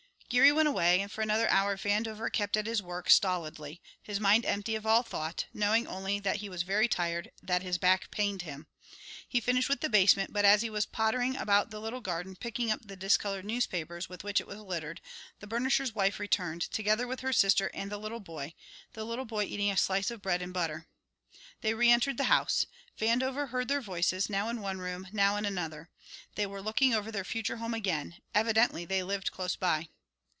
Geary went away, and for another hour Vandover kept at his work, stolidly, his mind empty of all thought, knowing only that he was very tired, that his back pained him. He finished with the basement, but as he was pottering about the little garden, picking up the discoloured newspapers with which it was littered, the burnisher's wife returned, together with her sister and the little boy; the little boy eating a slice of bread and butter. They re entered the house; Vandover heard their voices, now in one room, now in another. They were looking over their future home again; evidently they lived close by.